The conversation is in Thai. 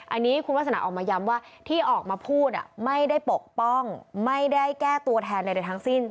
อันนี้คุณวาสนาออกมาย้ำว่าที่ออกมาพูดไม่ได้ปกป้องไม่ได้แก้ตัวแทนใดทั้งสิ้น